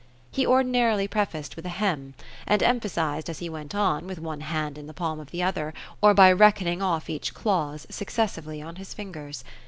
He ordinarily prefaced with a hem ; and emphasized, as he went on, with one hand in the palm of the other, or by reckoning olf each clause, successively, on his fingers.